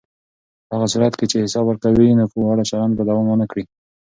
په هغه صورت کې چې حساب ورکونه وي، ناوړه چلند به دوام ونه کړي.